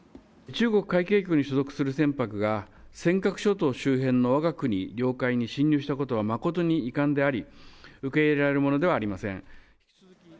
中国海警局に所属する船舶が、尖閣諸島周辺のわが国領海に侵入したことは誠に遺憾であり、受け入れられるものではありません。